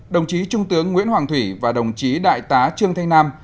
đồng chí trung tướng nguyễn hoàng thủy và đồng chí đại tá trương thanh nam